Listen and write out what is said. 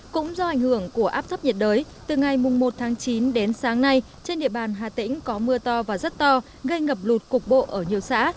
cũng do ảnh hưởng của áp thấp nhiệt đới từ ngày một tháng chín đến sáng nay trên địa bàn hà tĩnh có mưa to và rất to gây ngập lụt cục bộ ở nhiều xã